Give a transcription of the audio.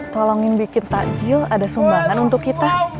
tolongin bikin takjil ada sumbangan untuk kita